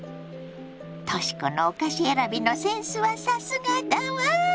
とし子のお菓子選びのセンスはさすがだわ。